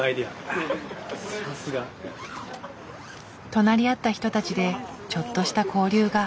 隣り合った人たちでちょっとした交流が。